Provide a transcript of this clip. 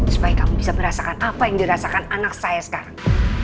supaya kamu bisa merasakan apa yang dirasakan anak saya sekarang